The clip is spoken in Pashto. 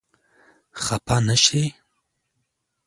خپه نه شې؟